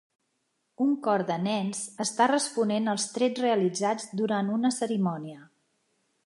Un cor de nens està responent als trets realitzats durant una cerimònia.